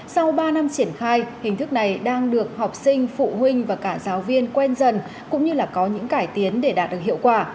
sau ba năm triển khai hình thức này đang được học sinh phụ huynh và cả giáo viên quen dần cũng như là có những cải tiến để đạt được hiệu quả